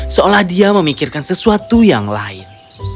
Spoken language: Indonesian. seolah dia memikirkan sesuatu yang lain